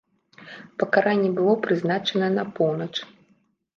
Пакаранне было прызначанае на поўнач.